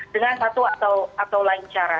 dengan satu atau lain cara